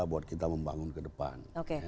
buat kita membangun kedepan